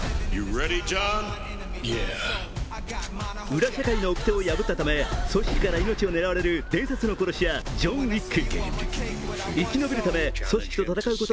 裏社会のおきてを破ったため組織から命を狙われる伝説の殺し屋、ジョン・ウィック。